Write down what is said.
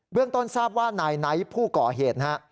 เรื่องต้นทราบว่านายไนท์ผู้ก่อเหตุนะฮะ